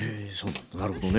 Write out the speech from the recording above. なるほどね。